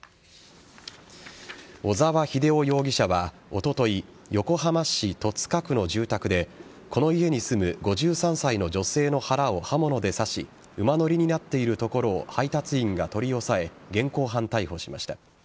小沢秀夫容疑者は、おととい横浜市戸塚区の住宅でこの家に住む５３歳の女性の腹を刃物で刺し馬乗りになっているところを配達員が取り押さえ現行犯逮捕しました。